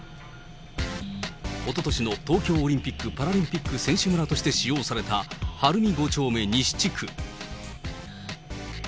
おととしの東京オリンピック・パラリンピック選手村として使用された晴海５丁目西地区。